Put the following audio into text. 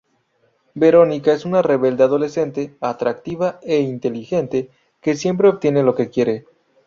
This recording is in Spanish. Verónica es una rebelde adolescente, atractiva e inteligente, que siempre obtiene lo que quiere.